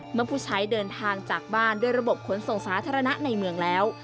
เมื่อผู้ใช้เดินทางจากบ้านด้วยระบบขนส่งสาธารณะในเมืองแล้ว